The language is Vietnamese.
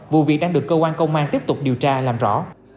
vụ việc đang được cơ quan công an tiếp tục điều tra làm rõ